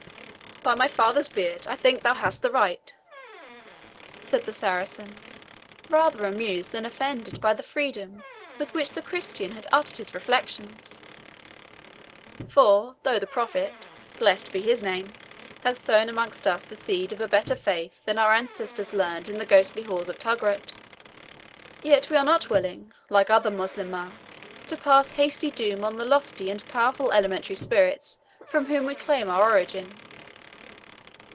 "By my father's beard, I think thou hast the right," said the Saracen, rather amused than offended by the freedom with which the Christian had uttered his reflections; "for, though the Prophet (blessed be his name!) hath sown amongst us the seed of a better faith than our ancestors learned in the ghostly halls of Tugrut, yet we are not willing, like other Moslemah, to pass hasty doom on the lofty and powerful elementary spirits from whom we claim our origin.